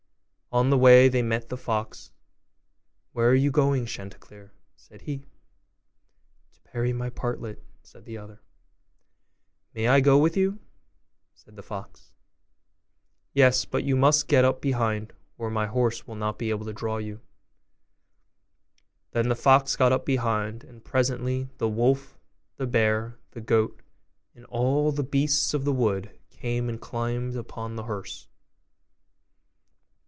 On the way they met the fox. 'Where are you going, Chanticleer?' said he. 'To bury my Partlet,' said the other. 'May I go with you?' said the fox. 'Yes; but you must get up behind, or my horses will not be able to draw you.' Then the fox got up behind; and presently the wolf, the bear, the goat, and all the beasts of the wood, came and climbed upon the hearse.